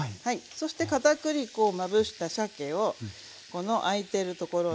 そしてかたくり粉をまぶしたさけをこの空いてるところに入れていきます。